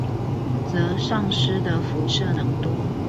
則喪失的輻射能多